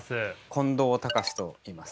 近藤隆史といいます。